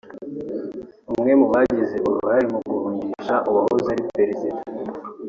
umwe mu bagize uruhare mu guhungisha uwahoze ari Perezida